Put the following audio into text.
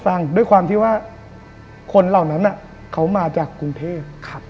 ฟังว่าด้วยความที่คนเหล่านั้นมาจากกรุงเทศ